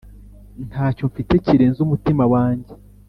Ntacyo mfite kirenze umutima wanjye